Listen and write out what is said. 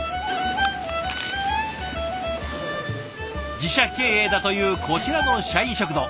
自社経営だというこちらの社員食堂。